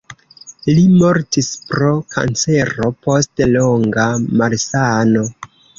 Li mortis pro kancero post longa malsano.